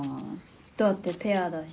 だってペアだし。